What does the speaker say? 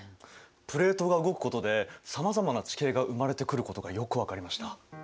プレートが動くことでさまざまな地形が生まれてくることがよく分かりました。